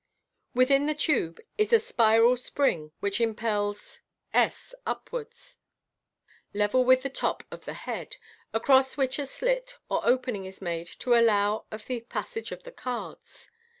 Within the tube is a spiral spring which impels s upwards level with the top of the head, across which a slit or opening is made to allow of the passage of the cards.